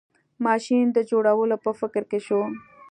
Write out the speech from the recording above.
ماشین د جوړولو په فکر کې شو.